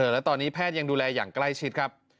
และตอนนี้แพทย์ยังดูแลอย่างใกล้ชิดครับ